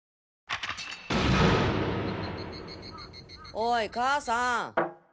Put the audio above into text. おい母さん。